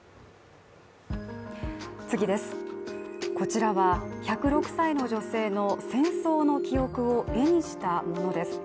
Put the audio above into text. こちらは１０６歳の女性の戦争の記憶を絵にしたものです。